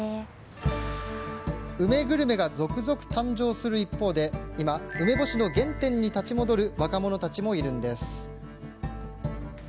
梅グルメが続々誕生する一方で今、梅干しの原点に立ち戻る若者たちもいるんです。